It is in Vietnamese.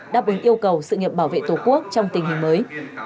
đáp ứng yêu cầu sự nghiệp bảo vệ tổ quốc trong tình hình mới